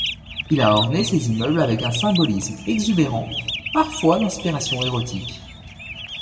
Il a orné ses immeubles avec un symbolisme exubérant, parfois d'inspiration érotique.